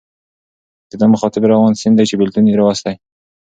د ده مخاطب روان سیند دی چې بېلتون یې راوستی.